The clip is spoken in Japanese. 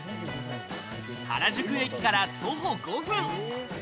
原宿駅から徒歩５分。